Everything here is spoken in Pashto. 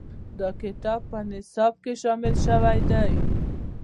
دا کتاب په نصاب کې شامل شوی دی.